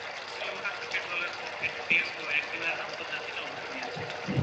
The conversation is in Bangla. শ্রীলঙ্কা ক্রিকেট দলের পক্ষে টেস্ট ও একদিনের আন্তর্জাতিকে অংশ নিয়েছেন।